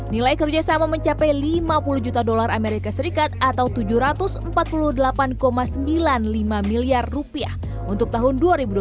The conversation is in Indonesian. nilai kerjasama mencapai lima puluh juta dolar amerika serikat atau tujuh ratus empat puluh delapan sembilan puluh lima miliar rupiah untuk tahun dua ribu dua puluh satu